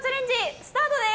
スタートです！